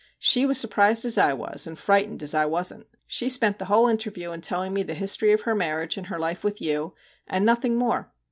She was surprised as I was, and frightened as I wasn't. She spent the whole interview in telling me the history of her marriage and her life with you, and nothing more.